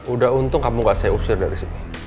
udah untung kamu gak seusir dari sini